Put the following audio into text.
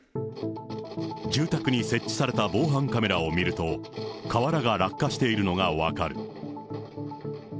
住宅に設置された防犯カメラを見ると、瓦が落下しているのが分かる。